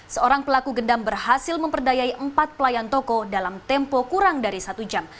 seorang pelaku gendam berhasil memperdayai empat pelayan toko dalam tempo kurang dari satu jam